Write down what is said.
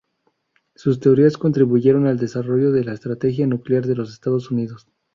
Sus teorías contribuyeron al desarrollo de la estrategia nuclear de los Estados Unidos.